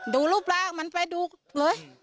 ดูรูปร่างมันไปดูเลย